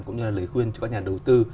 cũng như lời khuyên cho các nhà đầu tư